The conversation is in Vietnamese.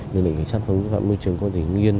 đường lượng sát phẩm vũ phạm môi trường của tỉnh nguyên